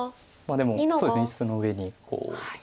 でもそうですね椅子の上に座る。